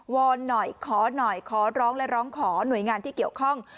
อนหน่อยขอหน่อยขอร้องและร้องขอหน่วยงานที่เกี่ยวข้อง